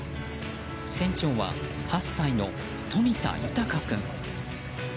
船長は８歳の冨田豊君。